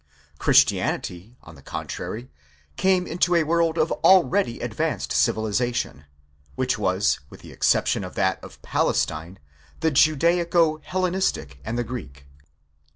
Christianity, on the contrary, came into a world of already ad vanced civilization; which was, with the exception of that of Palestine, the Judaico Hellenistic and the Greek.